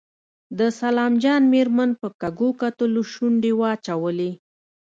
د سلام جان مېرمن په کږو کتلو شونډې واچولې.